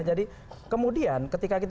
jadi kemudian ketika kita